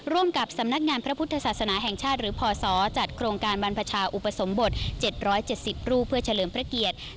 ร่วมกับสำนักงานพระพุทธศาสนาแห่งชาติหรือพศจัดโครงการบรรพชาอุปสมบท๗๗๐รูปเพื่อเฉลิมพระเกียรติ